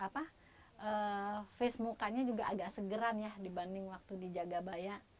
face mukanya juga agak segeran ya dibanding waktu di jagabaya